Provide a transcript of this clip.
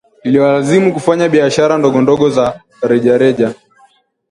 Iliwalazimu kufanya biashara ndogondogo za rejareja